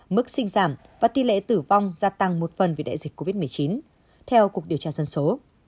mức sinh giảm và tỷ lệ tử vong gia tăng một phần vì đại dịch covid một mươi chín theo cục điều tra dân số